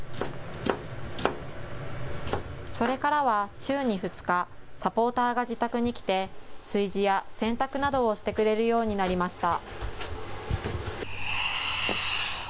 それからは週に２日、サポーターが自宅に来て炊事や洗濯などをしてくれるようになりました。